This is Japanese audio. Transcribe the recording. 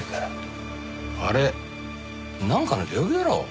あれなんかの病気だろ？